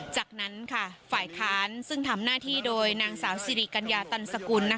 จากนั้นฝ่ายค้านซึ่งทำหน้าที่โดยนางสาวสิริกัญญาตันสกุล